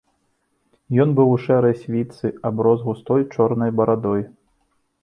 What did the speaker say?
Ён быў у шэрай світцы, аброс густой чорнай барадой.